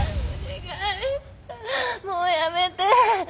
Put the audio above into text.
もうやめて。